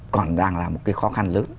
còn đang là một cái khó khăn lớn